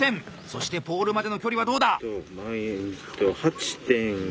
そしてポールまでの距離はどうだ？